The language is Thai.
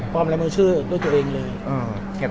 ปลอมรายมือชื่อด้วยตัวเองเลย